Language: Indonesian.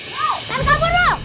jangan kabur lo